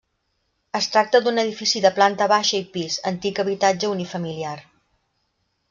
Es tracta d'un edifici de planta baixa i pis, antic habitatge unifamiliar.